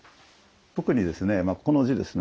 特にですねこの字ですね。